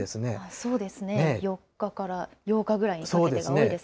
そうですね、４日から８日ぐらいにかけてが多いですね。